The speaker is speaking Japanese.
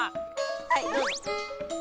はいどうぞ。